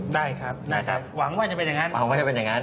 ได้ครับหอมว่าจะเป็นอย่างนั้น